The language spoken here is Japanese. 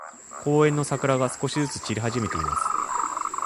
公園の桜が、少しずつ散り始めています。